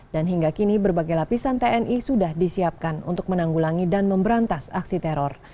dan hingga kini berbagai lapisan tni sudah disiapkan untuk menanggulangi dan memberantas aksi teror